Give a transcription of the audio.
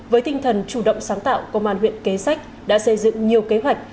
với tinh thần chủ động sáng tạo công an huyện kế sách đã xây dựng nhiều kế hoạch